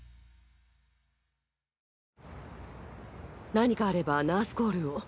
何かあればナースコールを。